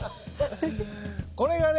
これがね